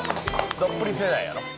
どっぷり世代やろ？